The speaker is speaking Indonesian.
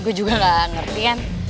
gue juga gak ngerti kan